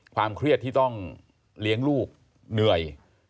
ความเครียดที่ต้องเลี้ยงลูกเหนื่อย